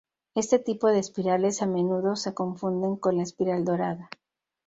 Este tipo de espirales, a menudo se confunden con la espiral dorada.